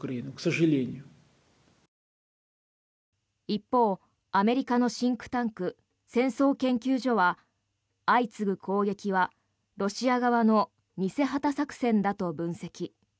一方、アメリカのシンクタンク戦争研究所は相次ぐ攻撃はロシア側の偽旗作戦だと分析。